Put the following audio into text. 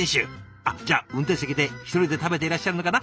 あっじゃあ運転席で一人で食べていらっしゃるのかな？